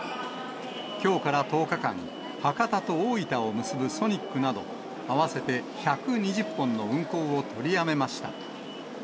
きょうから１０日間、博多と大分を結ぶソニックなど、合わせて１２０本の運行を取りやめました。